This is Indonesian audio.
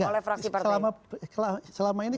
oleh fraksi partai selama ini